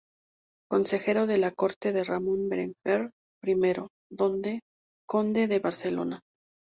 Consejero de la corte de Ramon Berenguer I, conde de Barcelona.